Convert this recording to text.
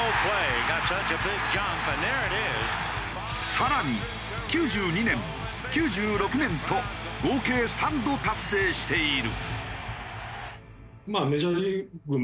更に９２年９６年と合計３度達成している。